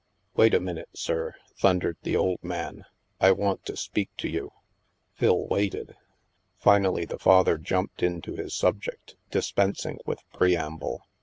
Wait a minute, sir/' thundered the old man; I want to speak to you." Phil waited. v. Finally the father jumped into his subject, dis pensing with preamble.